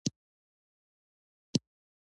ایا کورنۍ کې څوک نری رنځ لري؟